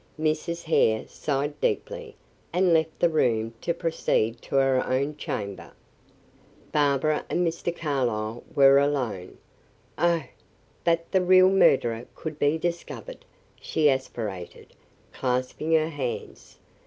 Mrs. Hare sighed deeply, and left the room to proceed to her own chamber. Barbara and Mr. Carlyle were alone. "Oh, that the real murderer could be discovered!" she aspirated, clasping her hands.